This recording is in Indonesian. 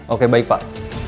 oke baik pak